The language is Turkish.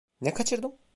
Ne kaçırdım?